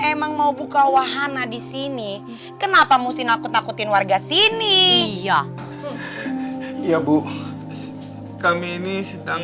emang mau buka wahana di sini kenapa mesti nakut takutin warga sini ya iya bu kami ini sedang